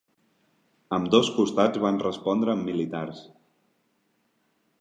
Ambdós costats van respondre amb militars.